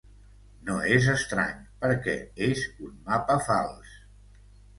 No és estrany, perquè és un mapa fals.